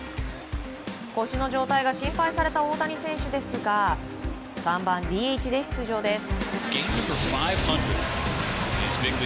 腰の状態が心配された大谷選手ですが３番ＤＨで出場です。